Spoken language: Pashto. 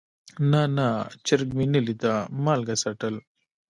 نه نه چرګ مې نه ليده مالګه څټل.